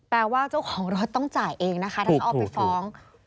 แต่ว่าเจ้าของรถต้องจ่ายเองนะครับถ้าออกไปฟ้อง